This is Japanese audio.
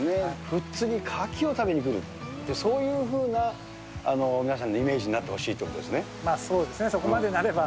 富津にカキを食べに来る、そういうふうな皆さんのイメージになってほしいっていうことですそうですね、そこまでなれば。